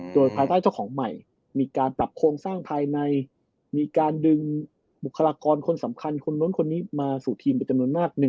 โดยภายใต้เจ้าของใหม่มีการปรับโครงสร้างภายในมีการดึงบุคลากรคนสำคัญคนนู้นคนนี้มาสู่ทีมเป็นจำนวนมาก